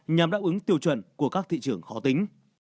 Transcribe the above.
nhằm đáp ứng tiêu chuẩn của các thị trường khó tính